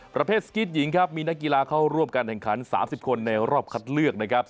ประเภทสกิตหญิงครับมีนักกีฬาเข้าร่วมการแข่งขัน๓๐คนในรอบคัดเลือกนะครับ